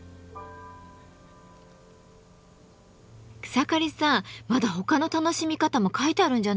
草刈さんまだ他の楽しみ方も書いてあるんじゃないですか？